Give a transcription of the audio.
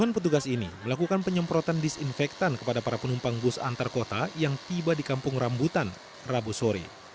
sepuluh petugas melakukan penyemprotan disinfektan kepada para penumpang bus antarkota yang tiba di kampung rambutan rabu sori